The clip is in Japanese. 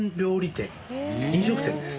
飲食店です。